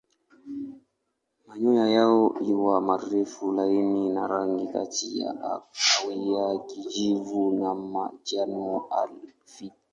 Manyoya yao huwa marefu laini na rangi kati ya kahawia kijivu na manjano hafifu.